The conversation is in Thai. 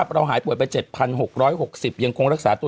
หายป่วยไป๗๖๖๐ยังคงรักษาตัว